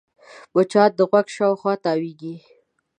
مچان د غوږ شاوخوا تاوېږي